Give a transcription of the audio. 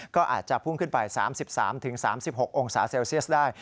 ก็อาจจะพุ่งขึ้นไป๓๓๖องศาเซลเซียสได้